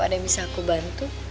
ada yang bisa aku bantu